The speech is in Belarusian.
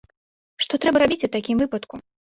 Што трэба рабіць у такім выпадку?